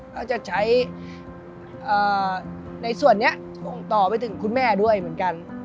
ก็จะใช้ในส่วนนี้ส่งต่อไปถึงคุณแม่ด้วยเหมือนกัน